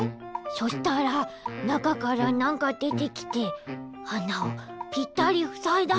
そしたらなかからなんかでてきてあなをぴったりふさいだんだよ！